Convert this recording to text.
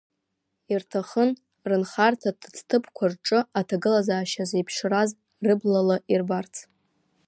Ирҭахын рынхарҭа ҭыӡҭыԥқәа рҿы аҭагылазаашьа зеиԥшраз рыблала ирбарц.